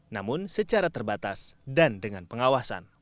namun secara terbatas dan dengan pengawasan